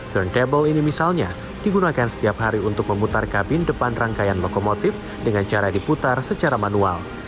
turntable ini misalnya digunakan setiap hari untuk memutar kabin depan rangkaian lokomotif dengan cara diputar secara manual